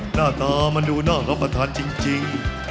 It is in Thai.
หน้าต่อมันดูนอกรับประทานจริง